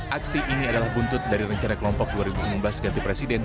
aksi ini adalah buntut dari rencana kelompok dua ribu sembilan belas ganti presiden